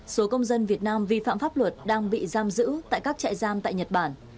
số công dân việt nam vi phạm pháp luật đang bị giam giữ tại các trại giam tại nhật bản